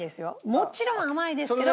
もちろん甘いですけど。